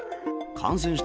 感染した？